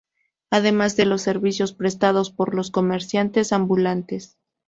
Además de los servicios prestados por los comerciantes ambulantes.